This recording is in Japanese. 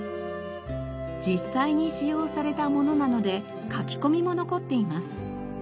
実際に使用されたものなので書き込みも残っています。